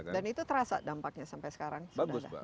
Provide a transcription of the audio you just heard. dan itu terasa dampaknya sampai sekarang